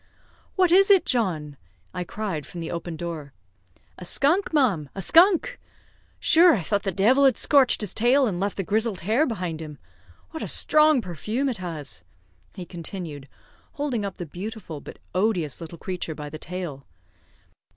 "What is it, John?" I cried from the open door. "A skunk! ma'am, a skunk! Shure, I thought the divil had scorched his tail, and left the grizzled hair behind him. What a strong perfume it has!" he continued, holding up the beautiful but odious little creature by the tail.